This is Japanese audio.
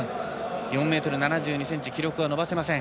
４ｍ７２ｃｍ記録は伸ばせません。